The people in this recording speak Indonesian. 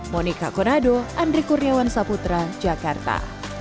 monika konado andri kurniawan saputra jakarta